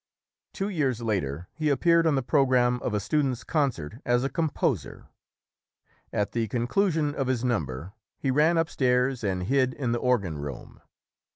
Two years later, he appeared on the program of a students' concert as a composer. At the con clusion of his number, he ran upstairs and hid in the organ room.